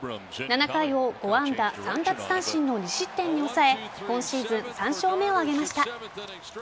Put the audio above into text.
７回を５安打３奪三振の２失点に抑え今シーズン３勝目を挙げました。